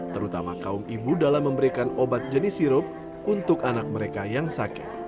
terutama kaum ibu dalam memberikan obat jenis sirup untuk anak mereka yang sakit